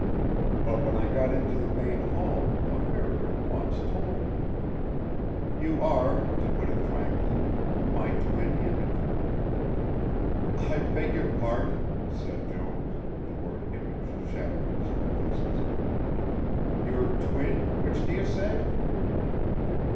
But when I got into the main hall a mirror at once told me. You are, to put it frankly, my twin image." "I beg your pardon," said Jones, the word image shattering his complacency. "Your twin which do you say?"